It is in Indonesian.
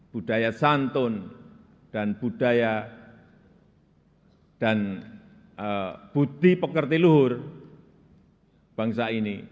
budaya santun dan budaya dan buti pekerti luhur bangsa ini